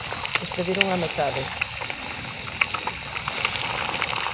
Despediron á metade.